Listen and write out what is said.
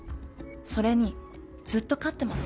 それにずっと勝ってます。